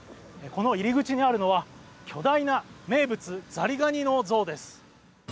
この入り口にあるのは巨大な名物ザリガニの像です。